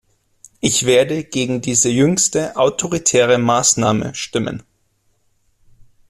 Ich werde gegen diese jüngste autoritäre Maßnahme stimmen.